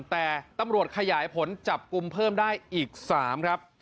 แต่ตำรวจขยายผลจับกลุ่มเพิ่มได้อีก๓ครับ